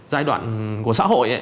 giai đoạn của xã hội